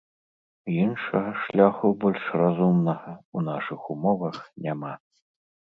Іншага шляху, больш разумнага, у нашых умовах няма.